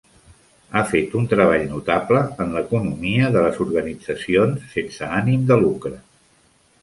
Ha fet un treball notable en l'economia de les organitzacions sense ànim de lucre.